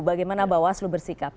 bagaimana bawaslu bersikap